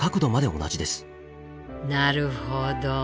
なるほど。